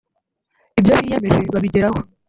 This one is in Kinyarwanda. ibyo biyemeje babigeraho